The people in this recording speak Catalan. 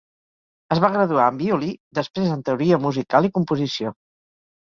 Es va graduar en violí, després en teoria musical i composició.